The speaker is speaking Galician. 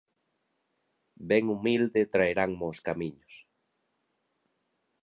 Ben humilde traeranmo os camiños.